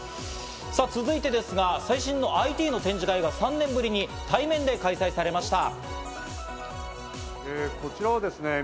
さあ続いてですが、最新のＩＴの展示会が３年ぶりに対面で開催されました。